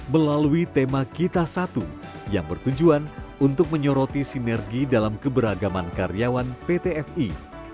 melalui tema kita satu yang bertujuan untuk menyoroti sinergi dalam keberagaman karyawan pt fi